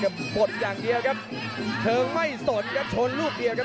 กดอย่างเดียวครับเชิงไม่สนครับชนลูกเดียวครับ